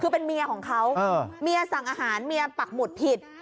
คือเป็นเมียของเขาเมียสั่งอาหารเมียปักหมุดผิด